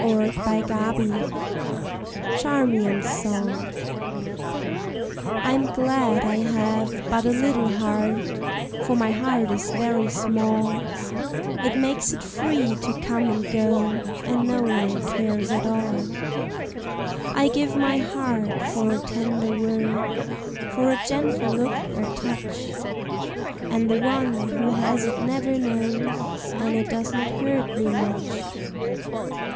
Vigils CHARMIAN'S SONG Fm glad I have but a little heart — For my heart is very small — It makes it free to come and go And no one cares at all. I give my heart for a tender word, For a gentle look or touch, And the one who has it never knows And it does not hurt me much.